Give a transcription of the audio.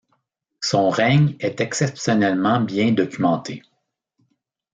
Son règne est exceptionnellement bien documenté.